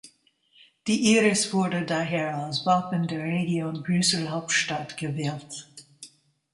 Die Iris wurde daher als Wappen der Region Brüssel-Hauptstadt gewählt.